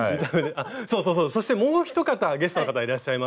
そうそうそうそしてもう一方ゲストの方いらっしゃいます。